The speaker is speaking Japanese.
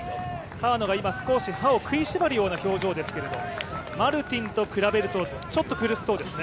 川野が今、少し歯を食いしばるような表情ですけどマルティンと比べるとちょっと苦しそうですね。